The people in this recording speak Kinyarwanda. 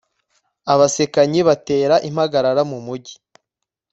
abasekanyi batera impagarara mu mugi